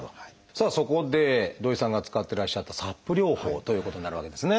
さあそこで土井さんが使ってらっしゃったＳＡＰ療法ということになるわけですね。